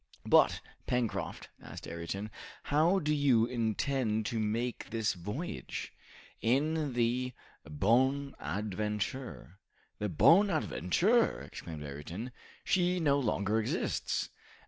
"But, Pencroft," asked Ayrton, "how do you intend to make this voyage?" "In the 'Bonadventure.'" "The 'Bonadventure!'" exclaimed Ayrton. "She no longer exists."